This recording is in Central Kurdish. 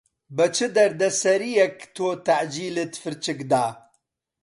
بە چ دەردەسەرییەک تۆ تەعجیلت فرچک دا.